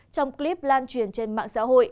trong clip lan truyền trên mạng xã hội